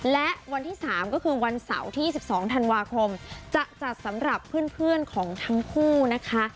และวันที่๓ก็คือวันเสาร์ที่๒๒ธันวาคมจะจัดสำหรับเพื่อนของทั้งคู่นะคะ